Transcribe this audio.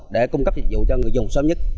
để cung cấp dịch vụ cho người dùng sớm nhất